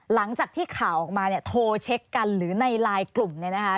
หลังจากที่ข่าวออกมาเนี่ยโทรเช็คกันหรือในไลน์กลุ่มเนี่ยนะคะ